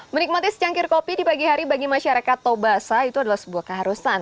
menikmati secangkir kopi di pagi hari bagi masyarakat tobasa itu adalah sebuah keharusan